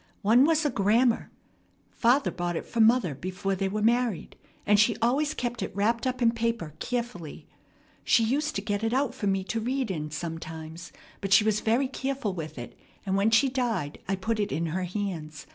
"One was a grammar. Father bought it for mother before they were married, and she always kept it wrapped up in paper carefully. She used to get it out for me to read in sometimes; but she was very careful with it, and when she died I put it in her hands.